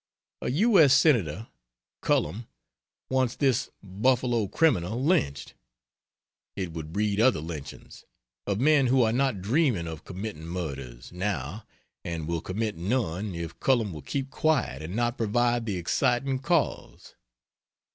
A U. S. Senator Cullom wants this Buffalo criminal lynched! It would breed other lynchings of men who are not dreaming of committing murders, now, and will commit none if Cullom will keep quiet and not provide the exciting cause.